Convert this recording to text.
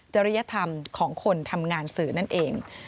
ริยธรรมของคนทำงานสื่อนั่นเอง